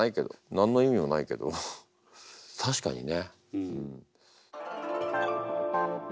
何の意味もないけどたしかにね。